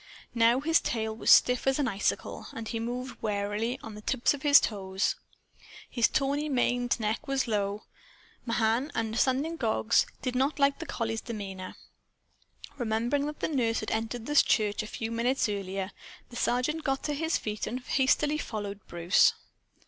Now his tail was stiff as an icicle, and he moved warily, on the tips of his toes. His tawny maned neck was low. Mahan, understanding dogs, did not like the collie's demeanor. Remembering that the nurse had entered the church a few minutes earlier, the Sergeant got to his feet and hastily followed Bruce.